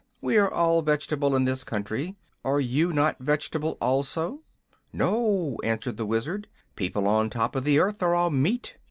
"We are all vegetable, in this country. Are you not vegetable, also?" "No," answered the Wizard. "People on top of the earth are all meat.